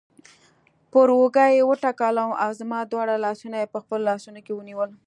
پر اوږه یې وټکولم او زما دواړه لاسونه یې په خپلو لاسونو کې ونیول.